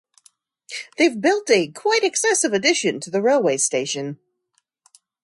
They've built a quite excessive addition to the railway station.